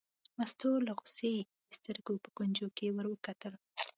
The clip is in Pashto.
مستو له غوسې د سترګو په کونجو کې ور وکتل.